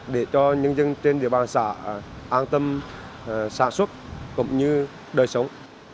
để cho nhân dân trên địa bàn xã an tâm sản xuất cũng như đời sống